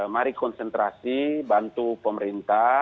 mari konsentrasi bantu pemerintah